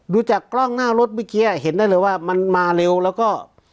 จากกล้องหน้ารถเมื่อกี้เห็นได้เลยว่ามันมาเร็วแล้วก็